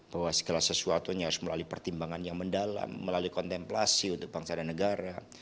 bahwa segala sesuatunya harus melalui pertimbangan yang mendalam melalui kontemplasi untuk bangsa dan negara